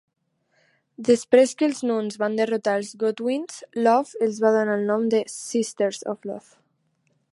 Després que els Nuns van derrotar els Godwinns, Love els donar el nom de Sisters of Love.